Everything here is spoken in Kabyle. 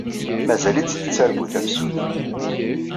Mazal-itt tettargu tafsut.